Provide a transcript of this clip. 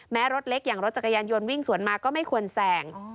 รถเล็กอย่างรถจักรยานยนต์วิ่งสวนมาก็ไม่ควรแสง